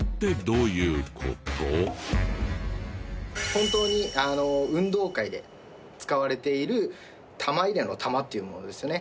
本当に運動会で使われている玉入れの玉っていうのをですね。